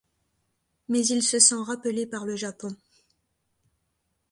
Mais il se sent rappelé par le Japon.